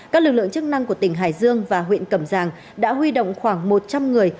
các lực lượng chức năng của tỉnh hải dương và huyện cẩm giang đã huy động khoảng một trăm linh người